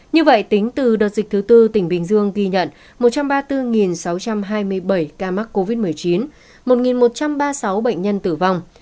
như vậy tính từ đợt dịch thứ tư tỉnh bình dương ghi nhận một trăm ba mươi bốn sáu trăm hai mươi bảy ca mắc covid một mươi chín một một trăm ba mươi sáu bệnh nhân tử vong